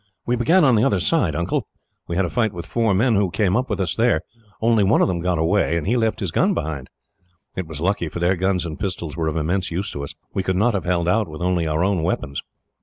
"We began on the other side, Uncle. We had a fight with four men who came up with us there. Only one of them got away and he left his gun behind. It was lucky, for their guns and pistols were of immense use to us. We could not have held out with only our own weapons.